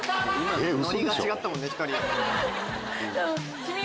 ノリが違ったもん１人。